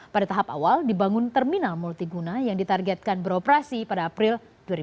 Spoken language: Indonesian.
pada tahap awal dibangun terminal multiguna yang ditargetkan beroperasi pada april dua ribu tujuh belas